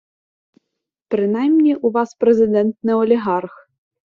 Принаймні у Вас Президент не олігарх.